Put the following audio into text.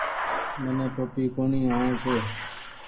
مني ٽوپي ڪونيٚ وڻي ڇي۔